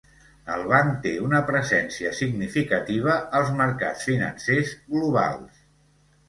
El banc té una presència significativa als mercats financers globals.